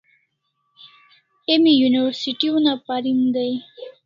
Emi university una parin dai